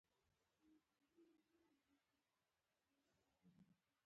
د رنګ تنظیم د عکس ژوند بدلوي.